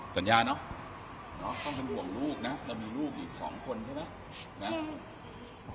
สัญญาเนอะต้องเป็นห่วงลูกนะเรามีลูกอีกสองคนใช่ไหม